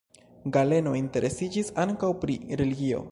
Galeno interesiĝis ankaŭ pri religio.